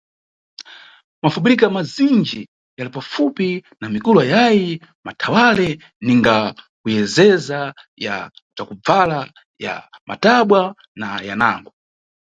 Mafobirika mazinji yali kufupi na mikulo ayayi mathawale, ninga kuyezeza, ya bzakubvala, ya matabwa na yanango.